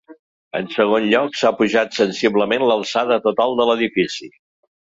En segon lloc, s'ha apujat sensiblement l'alçada total de l'edifici.